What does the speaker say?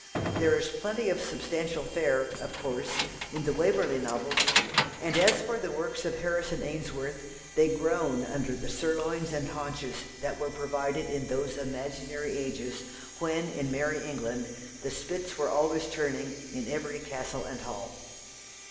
There is plenty of substantial fare, of course, in the Waverley novels, and as for the works of Harrison Ainsworth, they groan under the sirloins and haunches that were provided in those imaginary ages when in Merry England the spits were always turning in every castle and hall.